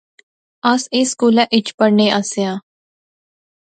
اس اس سکولا اچ پڑھنے آسے آں